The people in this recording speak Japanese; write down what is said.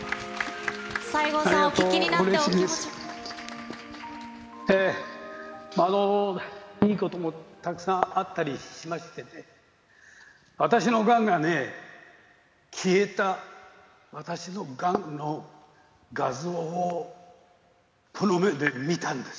西郷さん、いいこともたくさんあったりしましてね、私のがんがね、消えた私のがんの画像をこの目で見たんです。